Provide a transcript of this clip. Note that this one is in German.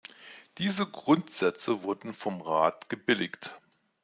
Diese Grundsätze wurden vom Rat gebilligt.